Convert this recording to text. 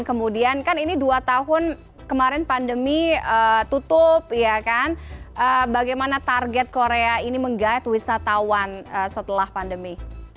kemudian kan ini dua tahun kemarin pandemi tutup bagaimana target korea ini menggait wisatawan setelah pandemi